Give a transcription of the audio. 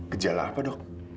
gejala apa dok